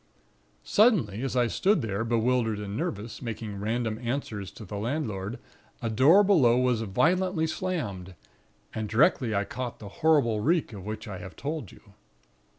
"Suddenly, as I stood there, bewildered and nervous, making random answers to the landlord, a door below was violently slammed, and directly I caught the horrible reek of which I have told you.